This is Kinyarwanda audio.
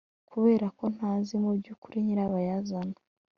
kuberako ntazi mubyukuri nyirabayazana.